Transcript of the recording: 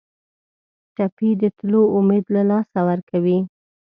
ټپي د تلو امید له لاسه ورکوي.